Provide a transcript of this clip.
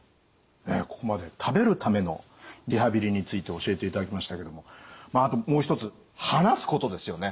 ここまで食べるためのリハビリについて教えていただきましたけどもまああともう一つ話すことですよね。